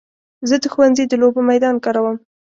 زه د ښوونځي د لوبو میدان کاروم.